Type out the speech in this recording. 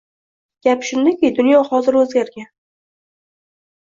Gap shundaki, dunyo hozir oʻzgargan.